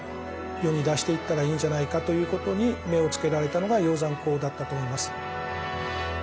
世に出していったらいいんじゃないかということに目をつけられたのが鷹山公だったと思います。